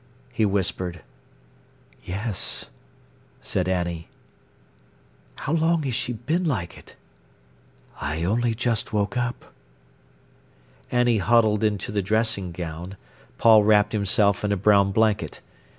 he whispered. "Yes," said Annie. "How long has she been like it?" "I only just woke up." Annie huddled into the dressing gown, Paul wrapped himself in a brown blanket.